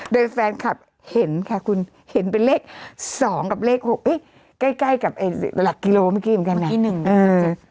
โดยแฟนคลับเห็นค่ะคุณเห็นเป็นเลข๒กับเลข๖ใกล้กับหลักกิโลเมื่อกี้เหมือนกันนะ